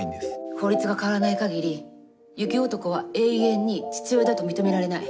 法律が変わらないかぎり雪男は永遠に父親だと認められない。